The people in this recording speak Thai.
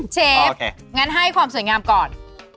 เชฟงั้นให้ความสวยงามก่อน